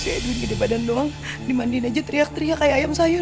saya duit gede badan doang dimandiin aja teriak teriak kayak ayam sayur